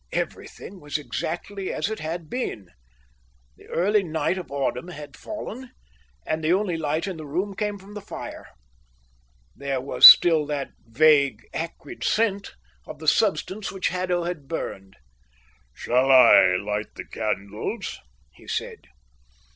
Everything was exactly as it had been. The early night of autumn was fallen, and the only light in the room came from the fire. There was still that vague, acrid scent of the substance which Haddo had burned. "Shall I light the candles?" he said.